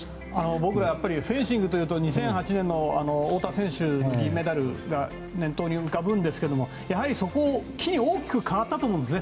僕ら、やっぱりフェンシングというと２００８年の太田選手の銀メダルが念頭に浮かぶんですけどそこを機に大きく変わったと思うんですね。